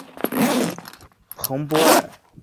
蓬波尔。